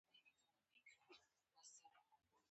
موږ په درېیم منزل کې وو چې د ګاډي غږ راغی